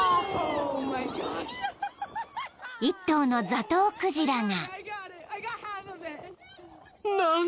［一頭のザトウクジラが］